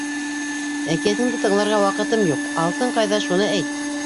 Әкиәтеңде тыңларға ваҡытым юҡ: алтын ҡайҙа - шуны әйт!